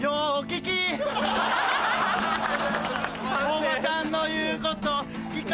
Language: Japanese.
おばちゃんの言うことよう聞き